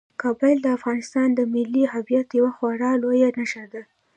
کابل د افغانستان د ملي هویت یوه خورا لویه نښه ده.